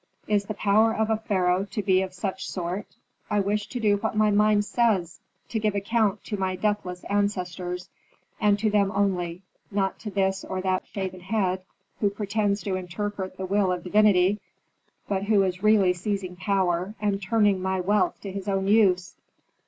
Is the power of a pharaoh to be of such sort. I wish to do what my mind says, to give account to my deathless ancestors, and to them only, not to this or that shaven head, who pretends to interpret the will of divinity, but who is really seizing power, and turning my wealth to his own use."